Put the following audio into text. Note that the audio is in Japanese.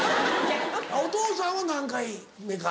お父さんは何回目か？